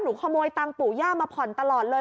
ขโมยตังค์ปู่ย่ามาผ่อนตลอดเลย